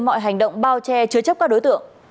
mọi hành động bao che chứa chấp các đối tượng